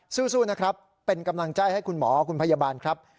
สู้นะครับเป็นกำลังใจให้คุณหมอคุณพยาบาลครับ